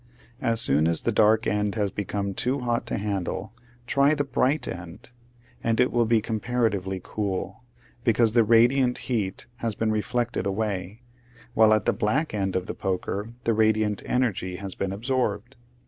As soon as the dark end has become too hot to handle try the bright end, and it will be comparatively cool, because the radiant heat has been reflected away, while at the black end of the poker the radiant energy has been absorbed.